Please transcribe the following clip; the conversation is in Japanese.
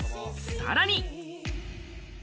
さらに。